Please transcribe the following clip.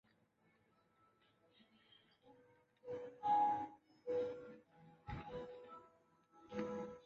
教育的目的在于充分发展人的个性并加强对人权和基本自由的尊重。